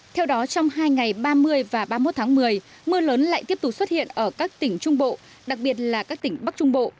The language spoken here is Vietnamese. theo đó trong hai ngày ba mươi và ba mươi một tháng một mươi mưa lớn lại tiếp tục xuất hiện ở các tỉnh trung bộ đặc biệt là các tỉnh bắc trung bộ